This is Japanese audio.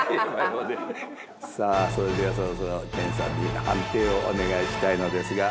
さあそれではそろそろ研さんに判定をお願いしたいのですが。